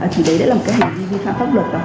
thì đấy là một hành vi vi phạm pháp luật